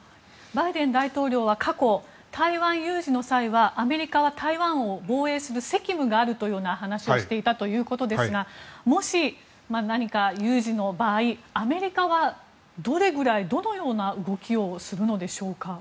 バイデン大統領は過去台湾有事の際はアメリカは台湾を防衛する責務があるという話をしていたということですがもし、何か有事の場合アメリカはどれくらい、どのような動きをするのでしょうか。